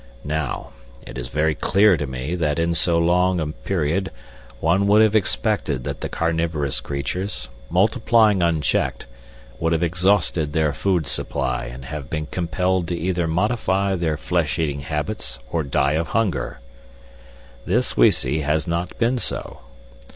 Now, it is very clear to me that in so long a period one would have expected that the carnivorous creatures, multiplying unchecked, would have exhausted their food supply and have been compelled to either modify their flesh eating habits or die of hunger. This we see has not been so.